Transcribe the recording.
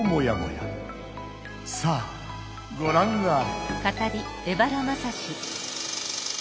さあごらんあれ！